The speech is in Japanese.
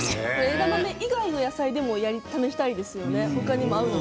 枝豆以外の野菜でもまねしたいですよね。